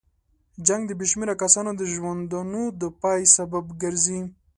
جنګ د بې شمېره کسانو د ژوندونو د پای سبب ګرځي.